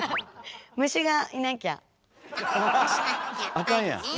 あかんやん。